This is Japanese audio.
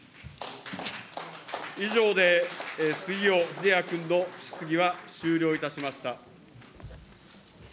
以上で杉尾秀哉君の質疑は終了いたしました。